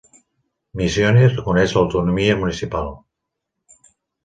Misiones reconeix l'autonomia municipal.